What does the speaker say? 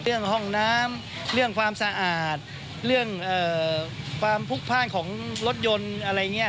เรื่องห้องน้ำเรื่องความสะอาดเรื่องความพลุกพ่านของรถยนต์อะไรอย่างนี้